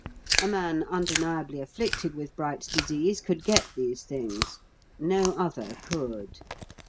A man undeniably afflicted with Bright's disease could get these things no other could.